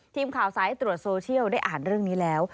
ทีมข่าวสายตรวจโซเชียลได้อ่านเรื่องนี้แล้ว